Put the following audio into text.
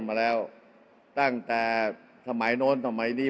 อย่าให้ลุงตู่สู้คนเดียว